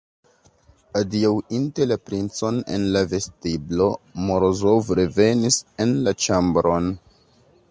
Adiaŭinte la princon en la vestiblo, Morozov revenis en la ĉambron.